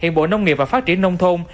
hiện bộ nông nghiệp và phát triển nông thôn